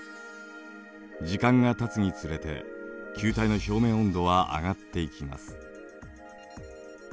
時間がたつにつれて球体の表面温度は上がっていきます。